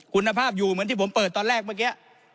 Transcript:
คุณภาพอยู่เหมือนที่ผมเปิดตอนแรกเมื่อกี้